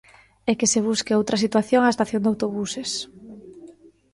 E que se busque outra situación á estación de autobuses.